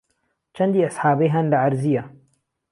چەندی ئەسحابەی هەن لە عەرزییە